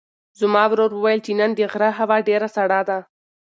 زما ورور وویل چې نن د غره هوا ډېره سړه ده.